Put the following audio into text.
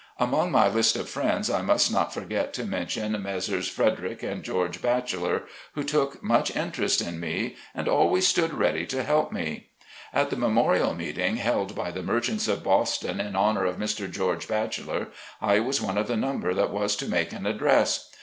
Among my list of friends I must not forget to mention Messrs. Fredrick and George Batcheller, MY FRIENDS. 39 who took much interest in me and always stood ready to help me. At the memorial meeting held by the merchants of Boston, in honor of Mr. Geo. Batcheller, I was one of the number that was to make an address.